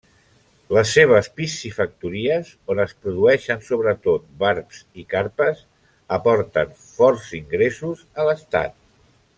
Les seves piscifactories, on es produeixen sobretot barbs i carpes, aporten forts ingressos a l'estat.